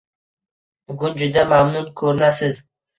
Bugun juda mamnun koʻrinasiz.